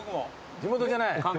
地元じゃないんで。